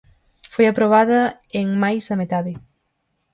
Foi aprobada en máis da metade.